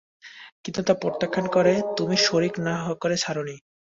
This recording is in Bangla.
কিন্তু তা প্রত্যাখ্যান করে তুমি শরীক না করে ছাড়োনি।